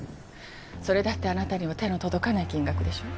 それだってあなたには手の届かない金額でしょ？